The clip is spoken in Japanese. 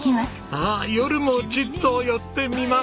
ああ夜もちっと寄ってみます！